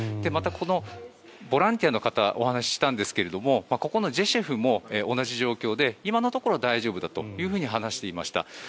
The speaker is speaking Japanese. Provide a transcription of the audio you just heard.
また、ボランティアの方にお話をしたんですがここのジェシュフも同じ状況で今のところ大丈夫だと話していました。